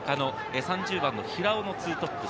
３０番の平尾の２トップ。